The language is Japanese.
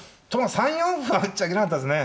３四歩はあっちゃいけなかったですね。